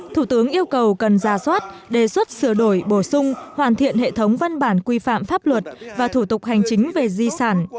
thủ tướng yêu cầu cần ra soát đề xuất sửa đổi bổ sung hoàn thiện hệ thống văn bản quy phạm pháp luật và thủ tục hành chính về di sản